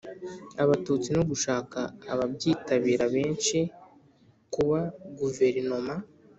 Abatutsi no gushaka ababyitabira benshi Kuba Guverinoma